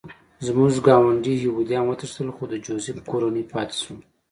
زموږ ګاونډي یهودان وتښتېدل خو د جوزف کورنۍ پاتې شوه